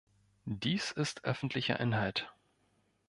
Dies ist öffentlicher Inhalt.